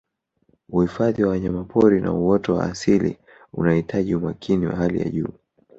Uhifadhi wa wanyapori na uoto wa asili unahitaji umakini wa hali ya juu